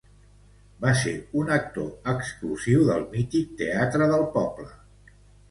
Va ser un actor exclusiu del mític Teatre del Poble.